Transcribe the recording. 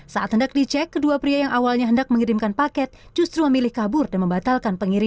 saat hendak dicek kedua pria yang awalnya hendak mengirimkan paket justru memilih kabur dan membatalkan pengiriman